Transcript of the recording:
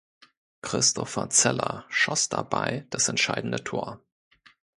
Christopher Zeller schoss dabei das entscheidende Tor.